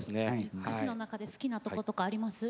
歌詞の中で好きなところはありますか。